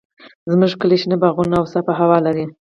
زموږ کلی شنه باغونه او صافه هوا لري.